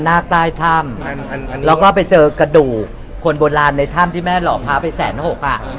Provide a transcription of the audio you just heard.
ใต้ถ้ำแล้วก็ไปเจอกระดูกคนโบราณในถ้ำที่แม่หล่อพระไปแสนหกอ่ะ